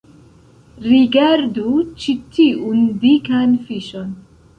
Rigardu ĉi tiun dikan fiŝon